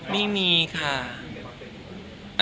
ไม่มีค่ะ